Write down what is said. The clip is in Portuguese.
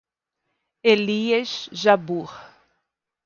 Elias Jabbour